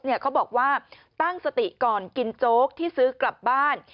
เขาบอกว่าตั้งสติก่อนกินโจ๊กที่ซื้อกลับบ้าน